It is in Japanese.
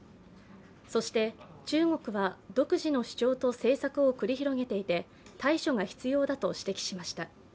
そして、中国は独自の主張と政策を繰り広げていて対処が必要だと指摘しました。